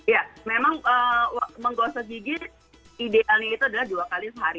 ya memang menggosok gigi idealnya itu adalah dua kali sehari